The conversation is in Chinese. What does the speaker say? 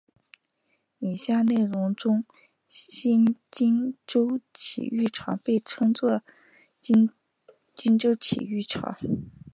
以下内容中新金州体育场将被称作金州体育场。